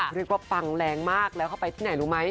เรียกว่าปังแรงมากแล้วเข้าไปที่ไหนรู้ไหม